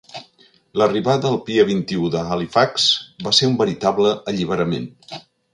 L'arribada al Pier vint-i-u de Halifax va ser un veritable alliberament.